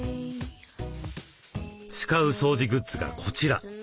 使う掃除グッズがこちら。